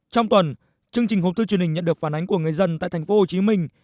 trong tuần chương trình hộp thư truyền hình nhận được phản ánh của người dân tại thành phố hồ chí minh